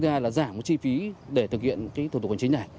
thứ hai là giảm chi phí để thực hiện cái thủ tục hành chính này